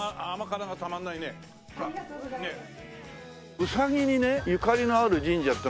ウサギにねゆかりのある神社っていうのは。